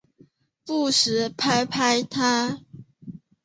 不时拍拍她